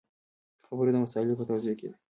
خبره د مسألې په توضیح کې ده.